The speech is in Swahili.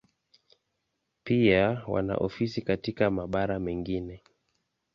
Pia wana ofisi katika mabara mengine.